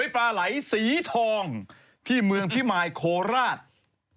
ปลาไหลสีทองที่เมืองพิมายโคราช